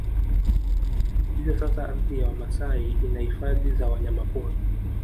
Hivyo sasa ardhi ya Wamasai ina Hifadhi za Wanyamapori